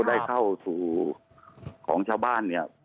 ได้เข้าสู่ของชาวบ้าน